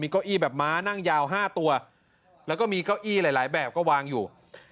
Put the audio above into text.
ก็อี้แบบมานั่งยาวห้าตัวและก็มีก้อี้หลายแบบก็วางอยู่